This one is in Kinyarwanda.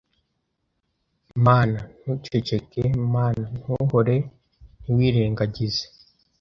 Mana ntuceceke Mana ntuhore ntiwirengagize